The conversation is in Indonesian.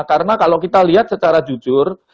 karena kalau kita lihat secara jujur